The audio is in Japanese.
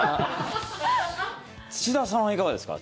土田さんはいかがですか？